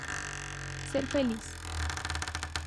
Ser feliz!